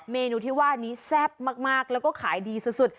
เมนูที่ว่านี้แซ่บมากแล้วก็ขายดีสุด